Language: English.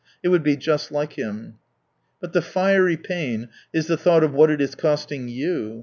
It would be just like Him. (I, But the fiery pain is the thought of what it is costing *■ 3'ou.